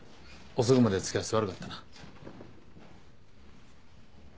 遅くまで付き合わせて悪かったな。